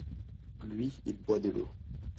lui, il boit de l'eau.